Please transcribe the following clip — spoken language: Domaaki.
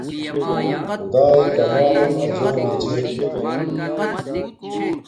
خدݳئݺ کمݳلݳتݸݣ اَجݸنݺ چھݺ.